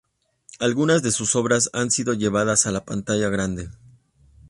Algunas de sus obras han sido llevadas a la pantalla grande.